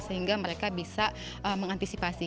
sehingga mereka bisa mengantisipasi